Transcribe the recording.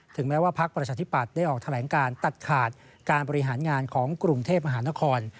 แม้ว่าพักประชาธิปัตย์ได้ออกแถลงการตัดขาดการบริหารงานของกรุงเทพมหานคร